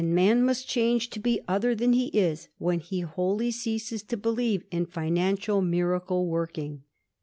241 man must change to be other than he is when he wholly ceases to believe in financial miracle working.